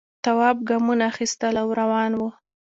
تواب گامونه اخیستل او روان و.